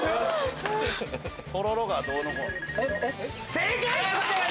正解！